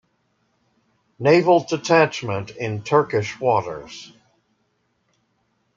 Naval Detachment in Turkish Waters.